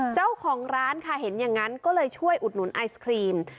เจ้าของร้านค่ะเห็นอย่างนั้นก็เลยช่วยอุดหนุนไอศครีม